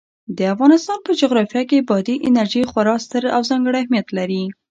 د افغانستان په جغرافیه کې بادي انرژي خورا ستر او ځانګړی اهمیت لري.